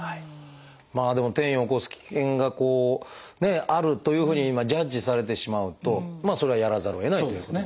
まあでも転移を起こす危険があるというふうにジャッジされてしまうとそれはやらざるをえないということですね。